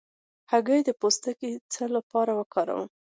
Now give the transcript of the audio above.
د هګۍ پوستکی د څه لپاره وکاروم؟